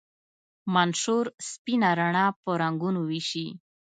منشور سپینه رڼا په رنګونو ویشي.